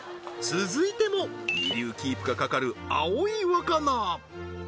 続いても二流キープが懸かる葵わかな